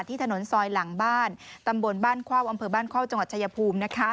ถนนซอยหลังบ้านตำบลบ้านเข้าอำเภอบ้านเข้าจังหวัดชายภูมิ